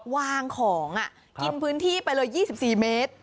วางของกินพื้นที่ไปเลย๒๔เมตร